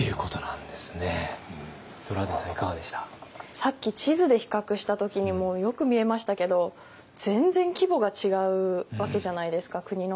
さっき地図で比較した時にもよく見えましたけど全然規模が違うわけじゃないですか国の。